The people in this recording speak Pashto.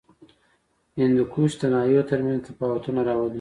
هندوکش د ناحیو ترمنځ تفاوتونه راولي.